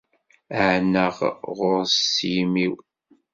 Ɛennaɣ ɣur-s s yimi-w.